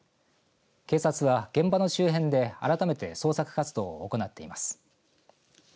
警察は現場の周辺で改めて捜索活動を行っています。